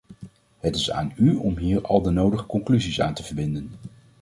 Het is aan u om hier al de nodige conclusies aan te verbinden.